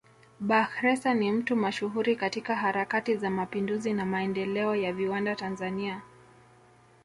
Bakhresa ni mtu mashuhuri katika harakati za mapinduzi na maendeleo ya viwanda Tanzania